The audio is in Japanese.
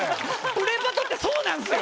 「プレバト‼」ってそうなんすよ！